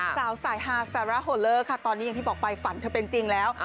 สายฮาซาร่าโฮเลอร์ค่ะตอนนี้อย่างที่บอกไปฝันเธอเป็นจริงแล้ว